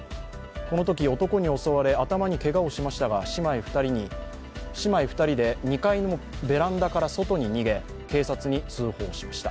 このとき男に襲われ、頭にけがをしましたが、姉妹２人で２階のベランダから外に逃げ、警察に通報しました。